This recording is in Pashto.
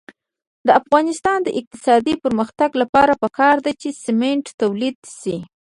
د افغانستان د اقتصادي پرمختګ لپاره پکار ده چې سمنټ تولید شي.